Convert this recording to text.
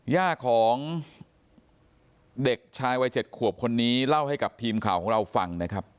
ย่าของเด็กชายวัย๗ขวบคนนี้เล่าให้กับทีมข่าวของเราฟังนะครับ